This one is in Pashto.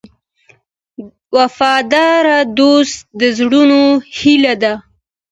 وفادار دوست د زړونو هیله ده.